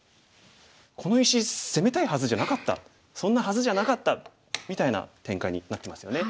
この石攻めたいはずじゃなかったそんなはずじゃなかった」みたいな展開になってますよね。